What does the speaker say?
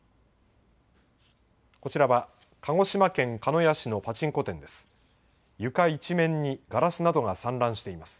こちらは、鹿児島県鹿屋市のパチンコ店です。